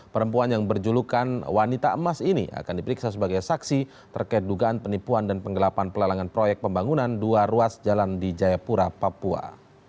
perempuan yang berjulukan wanita emas ini akan diperiksa sebagai saksi terkait dugaan penipuan dan penggelapan pelelangan proyek pembangunan dua ruas jalan di jayapura papua